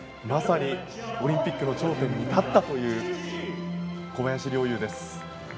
まさにオリンピックの頂点に立ったという小林陵侑です。